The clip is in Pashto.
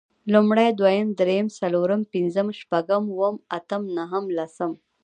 لومړی، دويم، درېيم، څلورم، پنځم، شپږم، اووم، اتم، نهم، لسم